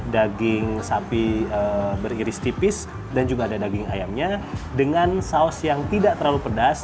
daging sapi beriris tipis dan juga ada daging ayamnya dengan saus yang tidak terlalu pedas